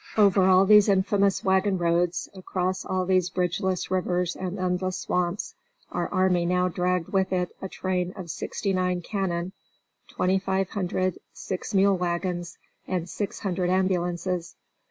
Over all these infamous wagon roads, across all these bridgeless rivers and endless swamps, our army now dragged with it a train of sixty nine cannon, twenty five hundred six mule wagons, and six hundred ambulances.